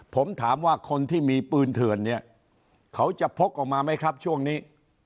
ผมถามว่าคนที่มีปืนเถื่อนเนี่ยเขาจะพกออกมาไหมครับช่วงนี้